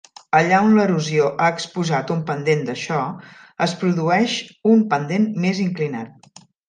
Allà on l'erosió ha exposat un pendent d'això, es produeix un pendent més inclinat.